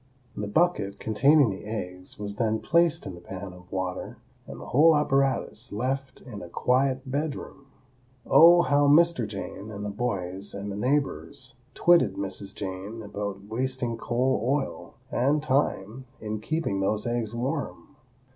The bucket containing the eggs was then placed in the pan of water and the whole apparatus left in a quiet bedroom. Oh, how Mr. Jane and the boys and the neighbors twitted Mrs. Jane about wasting coal oil and time in keeping those eggs warm!